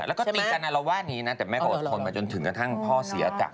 แล้วก็ตีกันอารวาสนี้นะแต่แม่ก็อดทนมาจนถึงกระทั่งพ่อเสียจาก